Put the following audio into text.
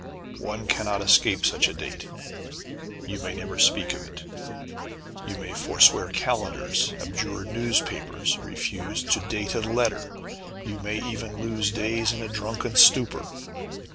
One cannot escape such a date. You may never speak of it. You may forswear calendars, abjure newspapers, refuse to date a letter; you may even lose days in a drunken stupor.